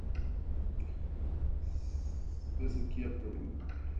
En esas tres cuencas el Gobierno de España declaró la situación de sequía prolongada.